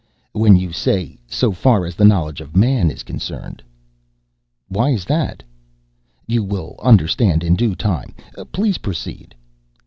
"When you say 'so far as the knowledge of man is concerned.'" "Why is that?" "You will understand in due time. Please proceed."